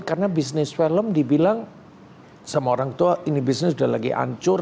karena bisnis film dibilang sama orang tua ini bisnis sudah lagi hancur